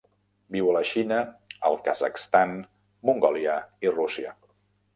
Viu a la Xina, el Kazakhstan, Mongòlia i Rússia.